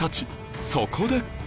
そこで